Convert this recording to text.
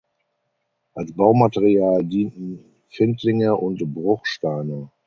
Als Baumaterial dienten Findlinge und Bruchsteine.